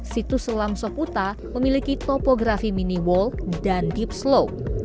situs selam soputa memiliki topografi mini wall dan gips low